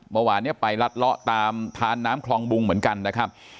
เมื่อวานเนี่ยไปรัดเลาะตามทานน้ำคลองบุงเหมือนกันนะครับ